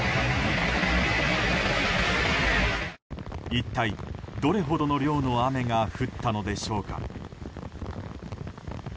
一体、どれほどの量の雨が降ったのでしょうか。